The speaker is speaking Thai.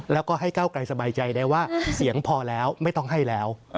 แล้วก็ให้ก้าวไกลสบายใจได้ว่าเสียงพอแล้วไม่ต้องให้แล้ว